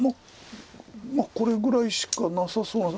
まあこれぐらいしかなさそうな。